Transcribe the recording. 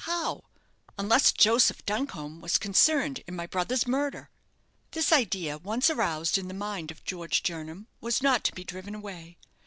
how, unless Joseph Duncombe was concerned in my brother's murder?" This idea, once aroused in the mind of George Jernam, was not to be driven away.